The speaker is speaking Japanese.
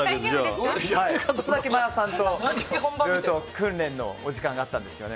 ちょっとだけ魔耶さんと訓練のお時間があったんですよね